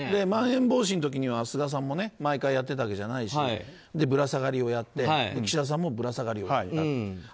まん延防止の時には菅さんも毎回やっていたわけじゃないしぶら下がりをやって岸田さんもぶら下がりをやる。